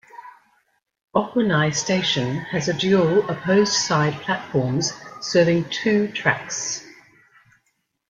Okunai Station has a dual opposed side platforms serving two tracks.